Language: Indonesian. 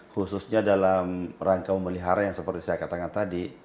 khususnya dalam rangka memelihara yang seperti saya katakan tadi